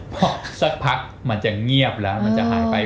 พอสักพักมันจะเงียบแล้วมันจะหายไป